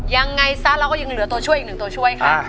ยังไงซะเราก็ยังเหลือตัวช่วยอีกหนึ่งตัวช่วยค่ะ